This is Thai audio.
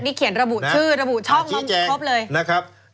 นี่เขียนระบุชื่อระบุช่องครบเลยนะครับ